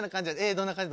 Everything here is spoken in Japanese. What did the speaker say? どんな感じ？